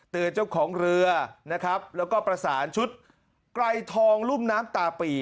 เตือนของเรือและก็ประสานชุดไกลทองลุมน้ำตา